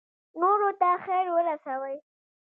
نورو ته خیر ورسوئ